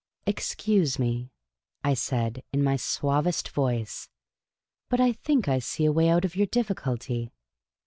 '' Ex cuse me," I said, in my suavest voice, " but I think I see a way out of your difficulty."